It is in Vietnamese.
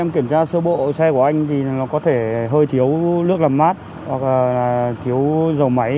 kiểm tra sơ bộ xe của anh thì nó có thể hơi thiếu nước làm mát hoặc thiếu dầu máy